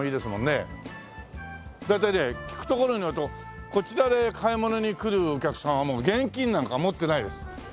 大体ね聞くところによるとこちらで買い物に来るお客さんはもう現金なんか持ってないです。